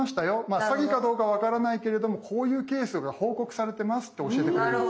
詐欺かどうか分からないけれどもこういうケースが報告されてますって教えてくれるんです。